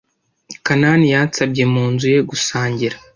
Kanani yansabye mu nzu ye gusangira.